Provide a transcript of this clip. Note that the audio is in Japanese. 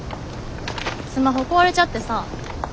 スマホ壊れちゃってさ。